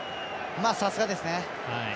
さすがですね。